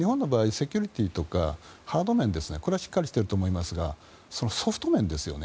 セキュリティーとかハード面これはしっかりしていると思いますがソフト面ですよね。